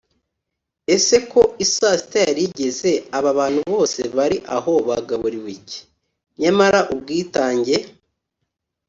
ese ko i saa sita yari igeze, aba bantu bose bari aho bagaburiwe iki ? nyamara ubwitange